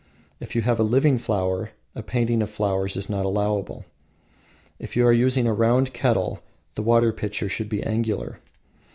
If you have a living flower, a painting of flowers is not allowable. If you are using a round kettle, the water pitcher should be angular.